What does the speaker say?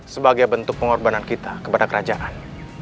sebagai bentuk pengorbanan kita kepada kerajaan